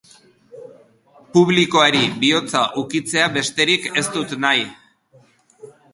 Publikoari bihotza ukitzea besterik ez dut nahi.